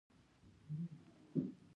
هر څوک حق لري د خپلو حقوقو دفاع وکړي.